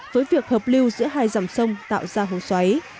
với việc hợp lưu giữa hai dòng sông tạo ra hố xoáy